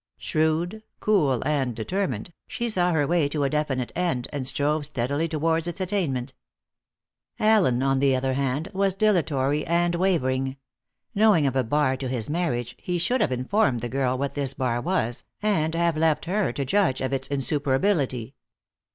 Shrewd, cool and determined, she saw her way to a definite end, and strove steadily towards its attainment. Allen, on the other hand, was dilatory and wavering. Knowing of a bar to his marriage, he should have informed the girl what this bar was, and have left her to judge of its insuperability.